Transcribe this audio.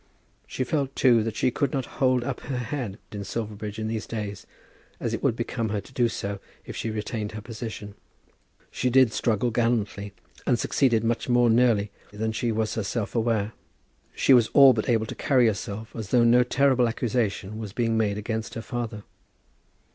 She felt, too, that she could not hold up her head in Silverbridge in these days, as it would become her to do if she retained her position. She did struggle gallantly, and succeeded much more nearly than she was herself aware. She was all but able to carry herself as though no terrible accusation was being made against her father.